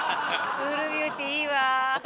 クールビューティーいいわ。